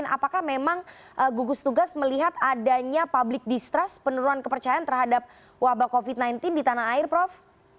apakah memang gugus tugas melihat adanya public distrust penurunan kepercayaan terhadap wabah covid sembilan belas di tanah air prof